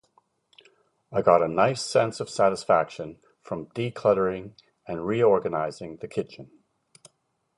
I got a nice sense of satisfaction from de-cluttering and reorganizing the kitchen.